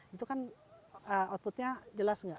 itu kan oututnya jelas gak